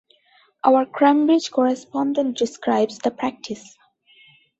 Our Cambridge correspondent describes the practice.